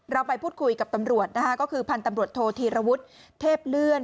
เราไปพูดคุยกับตำรวจนะคะก็คือพันธุ์ตำรวจโทษธีรวุฒิเทพเลื่อน